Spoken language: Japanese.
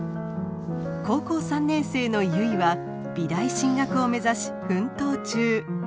高校３年生の結は美大進学を目指し奮闘中。